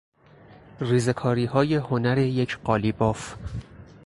ریزه کاریهای هنر یک قالیباف